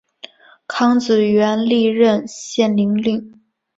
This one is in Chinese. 康子元历任献陵令。